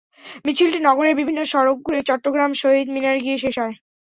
মিছিলটি নগরের বিভিন্ন সড়ক ঘুরে চট্টগ্রাম শহীদ মিনারে গিয়ে শেষ হয়।